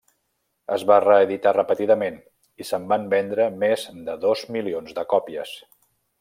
Es va reeditar repetidament i se'n van vendre més de dos milions de còpies.